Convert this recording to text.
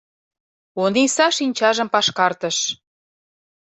— Ониса шинчажым пашкартыш.